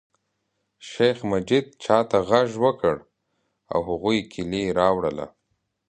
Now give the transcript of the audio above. شیخ مجید چاته غږ وکړ او هغوی کیلي راوړله.